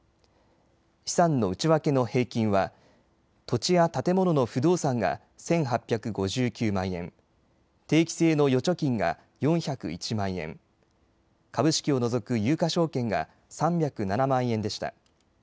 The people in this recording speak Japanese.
資産の内訳の平均は土地や建物の不動産が１８５９万円、定期性の預貯金が４０１万円、株式を除く有価証券が３０７万円でした。